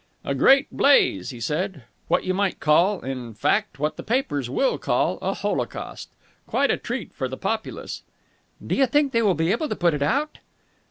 "A great blaze!" he said. "What you might call in fact what the papers will call a holocaust. Quite a treat for the populace." "Do you think they will be able to put it out?"